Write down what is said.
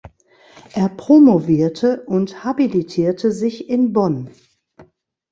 Er promovierte und habilitierte sich in Bonn.